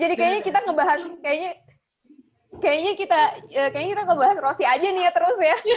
jadi kayaknya kita ngebahas rossi aja nih ya terus ya